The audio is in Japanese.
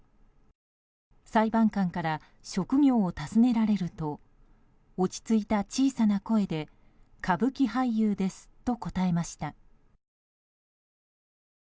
裁判官から職業を尋ねられると落ち着いた小さな声で歌舞伎俳優ですと答えました。